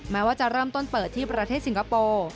แม้ว่าจะเริ่มต้นเปิดที่ประเทศสิงคโปร์